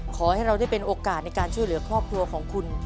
ขอให้เราได้เป็นโอกาสในการช่วยเหลือครอบครัวของคุณ